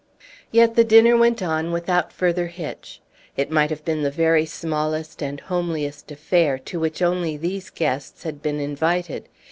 Yet the dinner went on without further hitch; it might have been the very smallest and homeliest affair, to which only these guests had been invited.